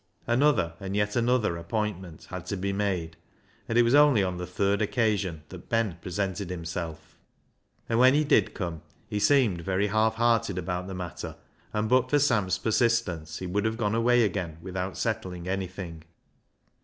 Another and yet another appointment had to be made, and it v. as only on the third occasion that Ben presented hiniself And when he did come, he seemed very half hearted about the matter, and but for Sam's persistence he would have gone away again without settling anything.